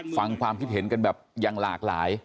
ฟังความคิดเห็นกันแบบยังหลากหลาย